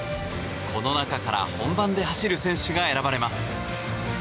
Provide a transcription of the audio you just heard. この中から本番で走る選手が選ばれます。